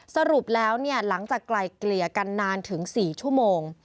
สรุปแล้วหลังจากไกลเกลี่ยกันนานถึง๔ชั่วโมง